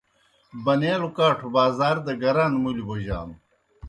بَنَیلوْ کاٹھوْ بازار دہ گران مُلیْ بوجانوْ۔